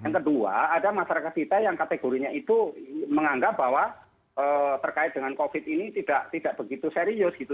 yang kedua ada masyarakat kita yang kategorinya itu menganggap bahwa terkait dengan covid ini tidak begitu serius gitu